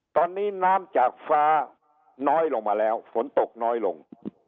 ตอนนี้น้ำจากฟ้าน้อยลงมาแล้วฝนตกน้อยลง